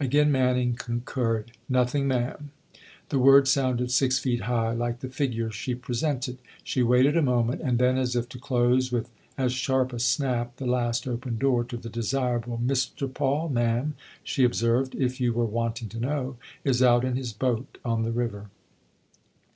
Again Manning concurred. "Nothing, ma'am." The word sounded six feet high, like the figure she presented. She waited a moment and then as if to close with as sharp a snap the last open door to 116 THE OTHER HOUSE the desirable, " Mr. Paul, ma'am," she observed, " if you were wanting to know, is out in his boat on the river."